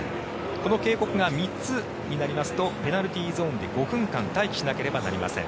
この警告が３つになりますとペナルティーゾーンで５分間待機しなければなりません。